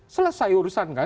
selesai urusan kan